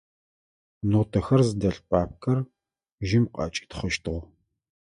Нотэхэр зыдэлъ папкэр жьым къыӏэкӏитхъыщтыгъ.